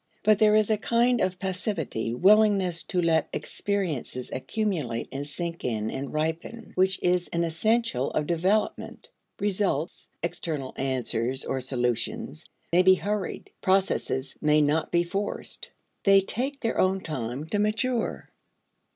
But there is a kind of passivity, willingness to let experiences accumulate and sink in and ripen, which is an essential of development. Results (external answers or solutions) may be hurried; processes may not be forced. They take their own time to mature.